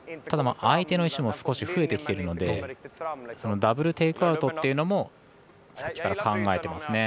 ただ、相手の石も増えてきているのでダブル・テイクアウトっていうのもさっきから考えています。